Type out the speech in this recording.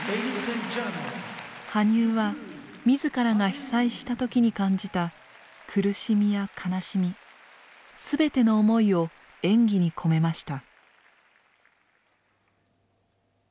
羽生は自らが被災した時に感じた苦しみや悲しみ全ての思いを演技に込めました。